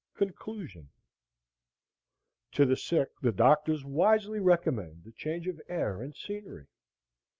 Conclusion To the sick the doctors wisely recommend a change of air and scenery.